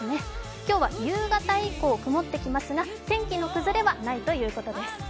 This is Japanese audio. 今日は夕方以降、曇ってきますが天気の崩れはないということです。